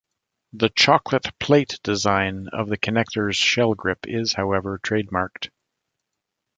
The "chocolate plate" design of the connector's shell grip is, however, trademarked.